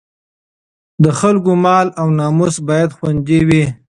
د خلکو مال او ناموس باید خوندي وي.